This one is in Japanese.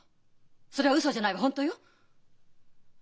それはウソじゃないわ本当よ。